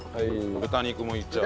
豚肉もいっちゃおう。